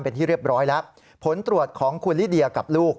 เป็นที่เรียบร้อยแล้วผลตรวจของคุณลิเดียกับลูก